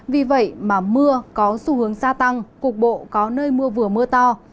vì vậy mà mưa có xu hướng gia tăng cục bộ có nơi mưa vừa mưa to